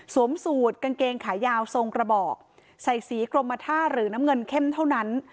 สูตรกางเกงขายาวทรงกระบอกใส่สีกรมท่าหรือน้ำเงินเข้มเท่านั้น